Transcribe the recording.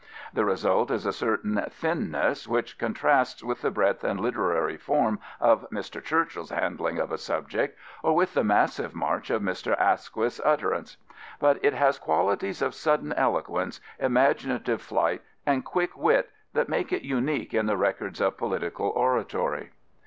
The result is a certain thinness which contrasts with the breadth and literary form of Mr. Churchiirs handling of a subject, or with the massive march of Mr. Asquith*s utterance. But it has qualities of sudden eloquence, imaginative flight and quick wit that make it unique in the records of political oratory.